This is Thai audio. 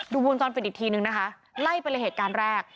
ดูวูลซอลฟิศอีกทีหนึ่งนะคะไล่เป็นเหตุการณ์แรก